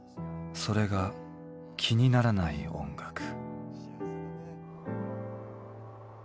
それが「気にならない音楽」